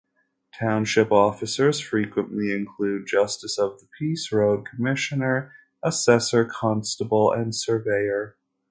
Township officers frequently include justice of the peace, road commissioner, assessor, constable, and surveyor.